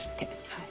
はい。